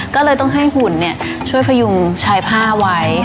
ก็เลยต้องให้หุ่นช่วยพยุงชายผ้าไว้